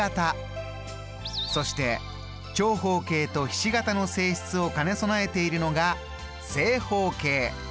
そして長方形とひし形の性質を兼ね備えているのが正方形。